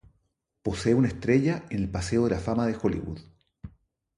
Posee una estrella en el paseo de la fama de Hollywood.